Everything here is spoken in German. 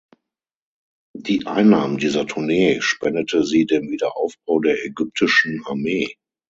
Die Einnahmen dieser Tournee spendete sie dem Wiederaufbau der ägyptischen Armee.